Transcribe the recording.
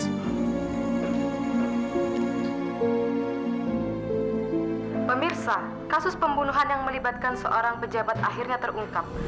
pemirsa kasus pembunuhan yang melibatkan seorang pejabat akhirnya terungkap